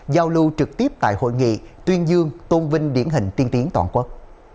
giao lưu trực tiếp tại hội nghị tuyên dương tôn vinh điển hình tiên tiến toàn quốc